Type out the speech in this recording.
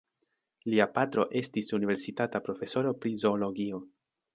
Lia patro estis universitata profesoro pri Zoologio.